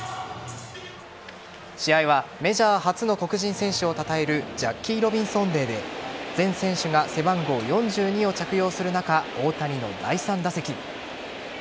試合はメジャー初の黒人選手をたたえるジャッキー・ロビンソン・デーで全選手が背番号４２を着用する中大谷の第３打席。